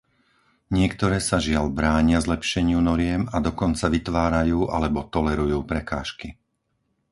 Niektoré sa žiaľ bránia zlepšeniu noriem a dokonca vytvárajú alebo tolerujú prekážky.